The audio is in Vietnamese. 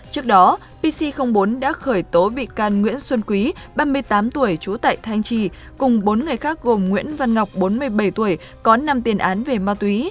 trước đó pc bốn đã khởi tố bị can nguyễn xuân quý ba mươi tám tuổi trú tại thanh trì cùng bốn người khác gồm nguyễn văn ngọc bốn mươi bảy tuổi có năm tiền án về ma túy